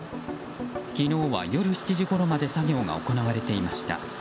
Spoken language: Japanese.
昨日は夜７時ごろまで作業が行われていました。